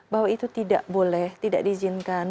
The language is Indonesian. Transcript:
bahwa itu tidak boleh tidak diizinkan